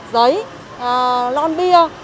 giấy lon bia